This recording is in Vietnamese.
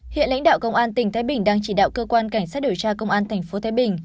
hiện lãnh đạo công an tỉnh thái bình đang chỉ đạo cơ quan cảnh sát điều tra công an tp thái bình